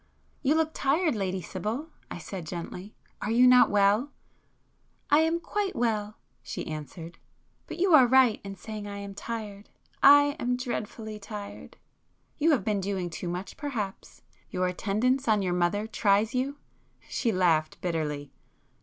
"You look tired Lady Sibyl,"—I said gently—"Are you not well?" "I am quite well—" she answered—"But you are right in saying I am tired. I am dreadfully tired!" "You have been doing too much perhaps?—your attendance on your mother tries you——" She laughed bitterly.